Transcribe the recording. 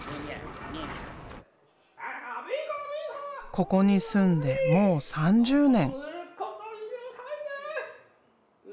ここに住んでもう３０年。